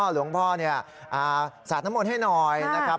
หลวงพ่อสาดน้ำมนต์ให้หน่อยนะครับ